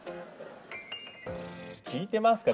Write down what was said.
聞いてますか？